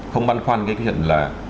không băn khoăn cái chuyện là